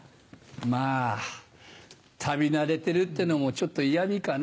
まぁ旅慣れてるってのもちょっと嫌みかな。